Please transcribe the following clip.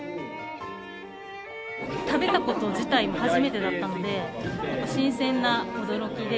食べたこと自体が初めてだったので新鮮な驚きで。